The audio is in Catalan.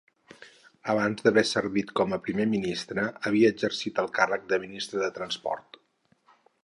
Abans d'haver servit com a primer ministre, havia exercit el càrrec de ministre de transport.